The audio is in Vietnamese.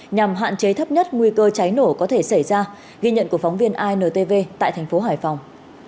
nhằm hạn chế thấp nhất nguy cơ cháy nổ có thể xảy ra ghi nhận của phóng viên intv tại thành phố hải phòng